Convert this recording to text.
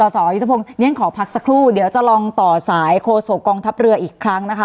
สอยุทธพงศ์เนี่ยขอพักสักครู่เดี๋ยวจะลองต่อสายโคศกองทัพเรืออีกครั้งนะคะ